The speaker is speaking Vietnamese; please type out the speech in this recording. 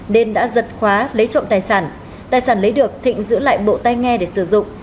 nên đã giật khóa lấy trộm tài sản tài sản lấy được thịnh giữ lại bộ tay nghe để sử dụng